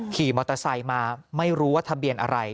ขี่มอเตอร์ไซค์มาไม่รู้ว่าทะเบียนอะไร